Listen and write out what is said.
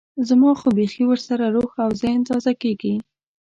زما خو بيخي ورسره روح او ذهن تازه کېږي.